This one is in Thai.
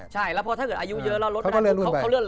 ใช่ถ้าอายุเยอะแล้วเราลดไปเขาเลื่อนไป